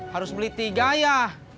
harus beli tiga ya